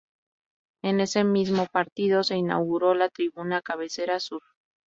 En ese mismo partido se inauguró la tribuna Cabecera Sur.